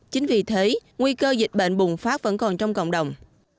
chính vì thế nguy cơ dịch bệnh bùng phát vẫn còn trong cộng đồng